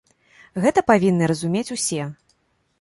Гэта павінны разумець усе.